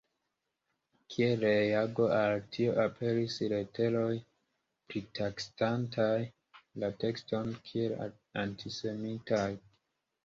Kiel reago al tio aperis leteroj pritaksantaj la tekston kiel antisemitan.